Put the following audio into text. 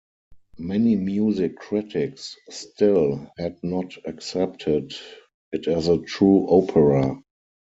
Many music critics still had not accepted it as a true opera.